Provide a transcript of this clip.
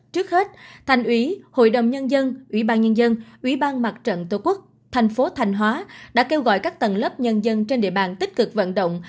trước hết thành ủy hội đồng nhân dân ủy ban nhân dân ủy ban mặt trận tổ quốc thành phố thanh hóa đã kêu gọi các tầng lớp nhân dân trên địa bàn tích cực vận động